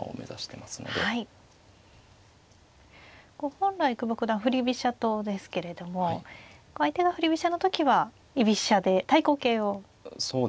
本来久保九段振り飛車党ですけれどもこう相手が振り飛車の時は居飛車で対抗型をいつも選ばれているんですね。